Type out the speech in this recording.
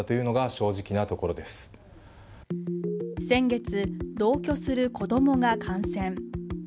先月、同居する子供が感染。